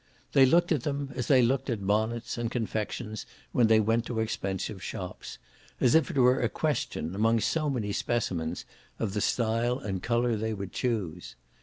They looked at them as they looked at bonnets and confections when they went to expensive shops; as if it were a question, among so many specimens, of the style and colour they would choose.